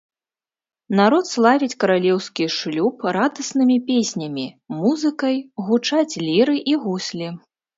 Народ славіць каралеўскі шлюб радаснымі песнямі, музыкай, гучаць ліры і гуслі.